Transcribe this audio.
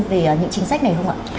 về những chính sách này không ạ